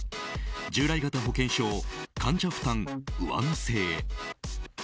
従来型保険証、患者負担上乗せへ。